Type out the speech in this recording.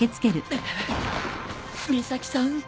美咲さん？